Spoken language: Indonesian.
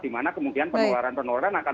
di mana kemudian penuaran penuaran akan